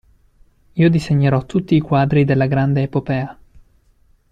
Io disegnerò tutti i quadri della grande epopea.